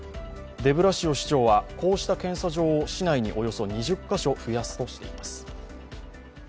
デブラシオ市長はこうした検査場を市内におよそ２０カ所増やすとしています。